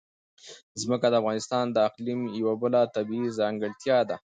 ځمکه د افغانستان د اقلیم یوه بله طبیعي ځانګړتیا ده.